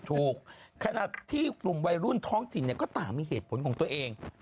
ถูกขนาดที่ฝุ่งวัยรุ่นท้องถิ่นเนี่ยก็ตามมีเหตุผลของตัวเอง